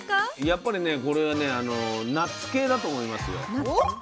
やっぱりねこれはねナッツ系だと思いますよ。